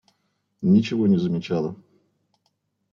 Ничего не замечала.